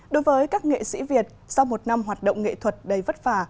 đối với các nghệ sĩ việt do một năm hoạt động nghệ thuật đầy vất vả